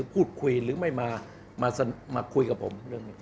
ก็คืออาจารย์มันชัยกับอาจารย์นักฐาน